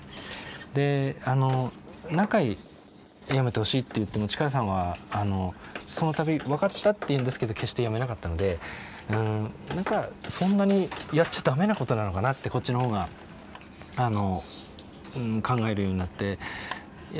であの何回やめてほしいって言っても力さんはあのその度分かったって言うんですけど決してやめなかったのでうん何かそんなにやっちゃ駄目なことなのかなってこっちの方があの考えるようになっていや